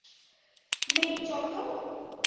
মেই, চলো তো।